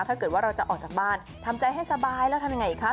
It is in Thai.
ถ้าเกิดว่าเราจะออกจากบ้านทำใจให้สบายแล้วทำยังไงคะ